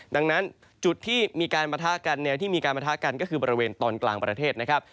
ดังนั้นจุดที่มีการปะทะกันแนวที่มีการประทะกันก็คือบริเวณตอนกลางประเทศนะครับ